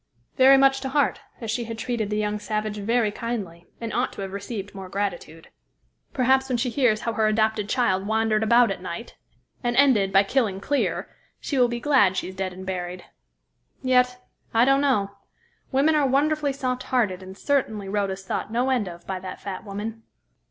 "Very much to heart, as she had treated the young savage very kindly, and ought to have received more gratitude. Perhaps when she hears how her adopted child wandered about at night, and ended by killing Clear, she will be glad she is dead and buried. Yet, I don't know. Women are wonderfully soft hearted, and certainly Rhoda is thought no end of by that fat woman."